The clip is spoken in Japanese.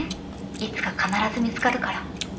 いつか必ず見つかるから。